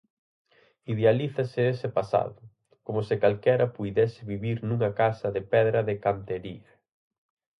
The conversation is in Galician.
Idealízase ese pasado, como se calquera puidese vivir nunha casa de pedra de cantería.